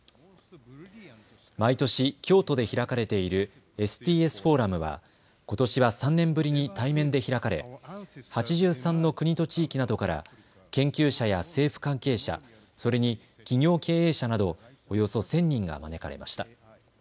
毎年、京都で開かれているＳＴＳフォーラムはことしは３年ぶりに対面で開かれ８３の国と地域などから研究者や政府関係者、それに企業経営者などおよそ１０００人が招かれました。